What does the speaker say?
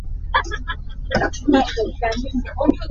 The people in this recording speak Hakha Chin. Thingthei ka char lioah thing nge nih a ka tlaak.